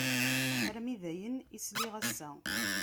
Armi d ayen, i sliɣ ass-a.